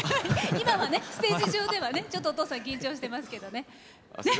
今は、ステージ上ではちょっとお父さん緊張してますけどね。